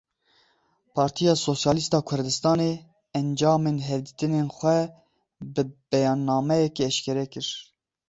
Partiya Sosyalîst a Kurdistanê encamên hevdîtinên xwe bi beyannameyekê eşkere kir.